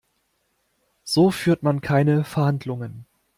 So führt man keine Verhandlungen.